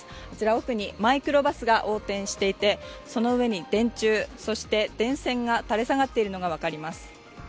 奥にマイクロバスが横転していて、その上に電柱、そして電線が垂れ下がっているのが分かります。